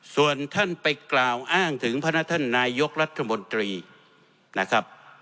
ส่วนท่านไปกล่าวอ้างถึงพนักท่านนายกรัฐมนตรีนะครับ